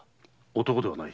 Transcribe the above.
男ではない。